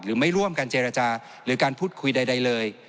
ร่วมกันเจรจาหรือการพูดคุยใดเลย